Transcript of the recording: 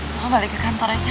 mama balik ke kantor aja